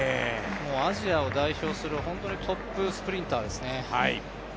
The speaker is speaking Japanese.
アジアを代表する本当にトップスプリンターですね。